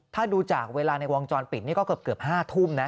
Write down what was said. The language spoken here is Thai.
ถ้าดูจากเวลาในวงจรปิดนี่ก็เกือบ๕ทุ่มนะ